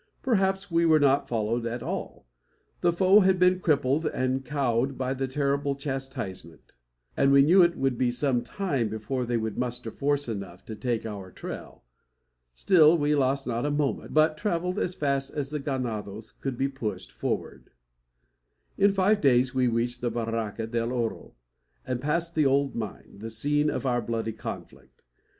Perhaps we were not followed at all. The foe had been crippled and cowed by the terrible chastisement, and we knew it would be some time before they could muster force enough to take our trail. Still we lost not a moment, but travelled as fast as the ganados could be pushed forward. In five days we reached the Barranca del Oro, and passed the old mine, the scene of our bloody conflict.